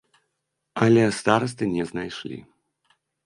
Але старасты не знайшлі.